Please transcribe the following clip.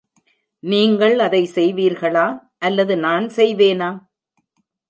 நீங்கள் அதை செய்வீர்களா, அல்லது நான் செய்வேனா?